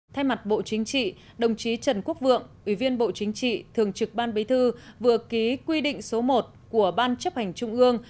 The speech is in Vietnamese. thay mặt bộ chính trị đồng chí trần quốc vượng ủy viên bộ chính trị thường trực ban bí thư vừa ký quy định số một của ban chấp hành trung ương